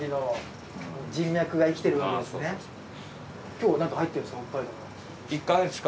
今日何か入ってるんですか？